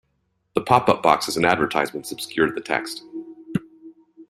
The pop-up boxes and advertisements obscured the text